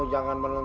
tidak ada apa apa